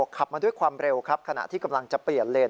ขับมาด้วยความเร็วครับขณะที่กำลังจะเปลี่ยนเลน